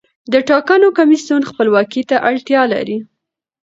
د ټاکنو کمیسیون خپلواکۍ ته اړتیا لري